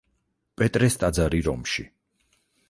პეტრეს ტაძარი რომში.